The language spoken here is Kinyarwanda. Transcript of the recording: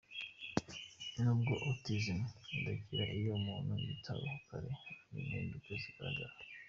Nubwo “Autisme” idakira, iyo umuntu yitaweho kare hari impinduka zigaragara.